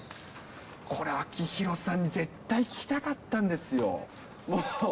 これ、秋広さんに絶対聞きたかったんですよ。